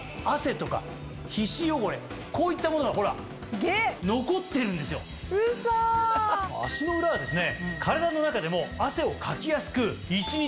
こういったものがほら残ってるんですよ。といわれているんですね。